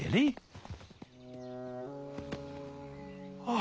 あ！